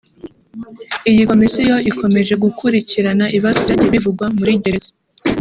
Iyi komisiyo ikomeje gukukirirana ibibazo byagiye bivugwa muri gereza